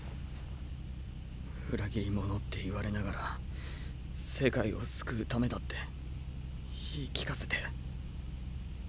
裏切り者って言われながら世界を救うためだって言い聞かせて。